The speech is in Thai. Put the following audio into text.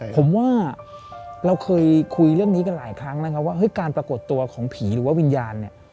ผมว่าเราเคยคุยเรื่องนี้กันหลายครั้งนะครับว่าเฮ้ยการปรากฏตัวของผีหรือว่าวิญญาณเนี่ย